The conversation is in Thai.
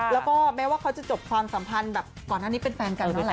แล้วก็แม้ว่าเขาจะจบความสัมพันธ์แบบก่อนหน้านี้เป็นแฟนกันนั่นแหละ